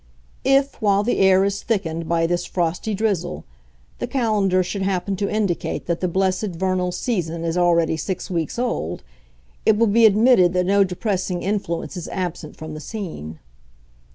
If, while the air is thickened by this frosty drizzle, the calendar should happen to indicate that the blessed vernal season is already six weeks old, it will be admitted that no depressing influence is absent from the scene.